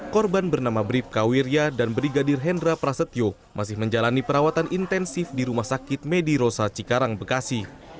korban bernama bripka wirja dan brigadir hendra prasetyo masih menjalani perawatan intensif di rumah sakit medi rosa cikarang bekasi